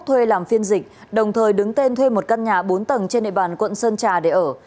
thuê làm phiên dịch đồng thời đứng tên thuê một căn nhà bốn tầng trên địa bàn quận sơn trà để ở